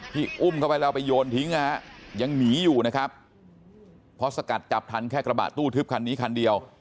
อุ้มเข้าไปแล้วไปโยนทิ้งนะฮะยังหนีอยู่นะครับเพราะสกัดจับทันแค่กระบะตู้ทึบคันนี้คันเดียว